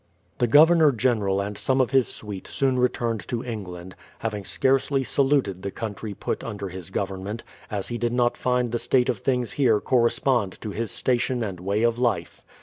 The Governor General and some of his suite soon re turned to England, having scarcely saluted the country put under his government, as he did not find the state of things here correspond to his station and way of life.